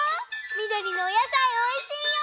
みどりのおやさいおいしいよ。